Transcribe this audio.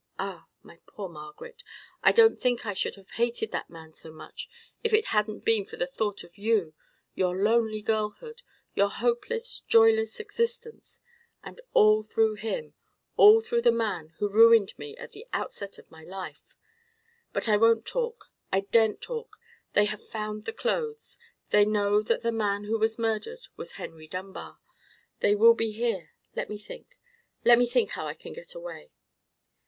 Ah! my poor Margaret, I don't think I should have hated that man so much if it hadn't been for the thought of you—your lonely girlhood—your hopeless, joyless existence—and all through him—all through the man who ruined me at the outset of my life. But I won't talk—I daren't talk: they have found the clothes; they know that the man who was murdered was Henry Dunbar—they will be here—let me think—let me think how I can get away!"